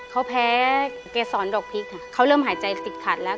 เขาแพ้เกษรดอกพริกค่ะเขาเริ่มหายใจติดขัดแล้ว